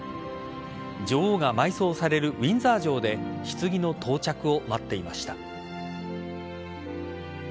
女王が埋葬されるウィンザー城で棺の到着を待っていました。